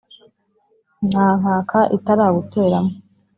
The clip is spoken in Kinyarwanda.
nta nkaka itarawuteramo